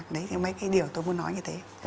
đấy thì mấy cái điều tôi muốn nói như thế